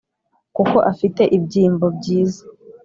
kuko afite ibyimbo byiza